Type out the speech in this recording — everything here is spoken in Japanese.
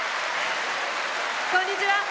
こんにちは。